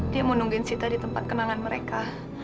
dia mau nungguin sita di tempat kenangan mereka